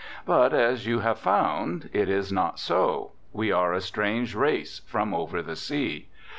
But, as you have found, it is not so we are a strange race from over the sea.